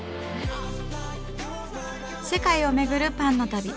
世界をめぐるパンの旅。